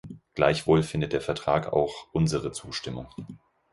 Gleichwohl findet der Vertrag auch unsere Zustimmung.